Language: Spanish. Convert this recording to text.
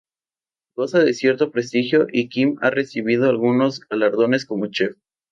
Goza de cierto prestigio y Kim ha recibido algunos galardones como chef.